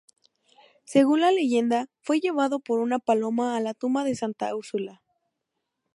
Según la leyenda, fue llevado por una paloma a la tumba de Santa Úrsula.